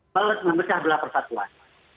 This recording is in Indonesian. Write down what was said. bales memecah belah persatuan